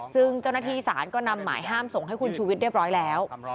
ซึ่งเจ้าหน้าที่ศาลก็นำหมายห้ามส่งให้คุณชูวิทย์เรียบร้อยแล้ว